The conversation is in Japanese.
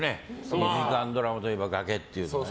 ２時間ドラマといえば崖っていう。